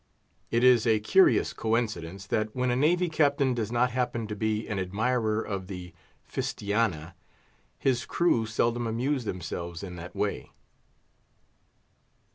It is a curious coincidence, that when a navy captain does not happen to be an admirer of the Fistiana his crew seldom amuse themselves in that way.